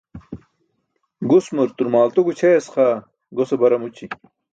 Gusmur turmaalto gućʰayas xaa gose bar amući